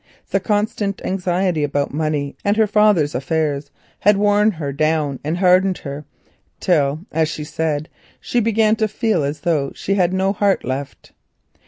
The constant anxiety about money and her father's affairs had worn her down and hardened her till, as she said, she began to feel as though she had no heart left.